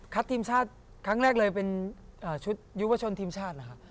ทีมชาติครั้งแรกเลยเป็นชุดยุวชนทีมชาติเหรอครับ